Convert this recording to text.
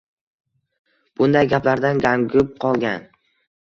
Bunday gaplardan gangib qolgan